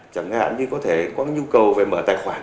chẳng hạn như có thể có nhu cầu về mở tài khoản